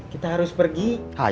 kita harus pergi